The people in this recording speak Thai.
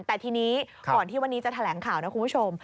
แต่ทีนี้ก่อนที่วันนี้จะแถลงข่าวนะคุณผู้ชม